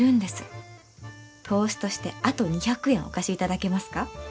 投資としてあと２００円お貸しいただけますか？